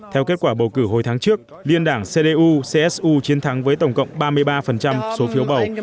theo kết quả bầu cử hồi tháng trước liên đảng cdu csu chiến thắng với tổng cộng ba mươi ba số phiếu bầu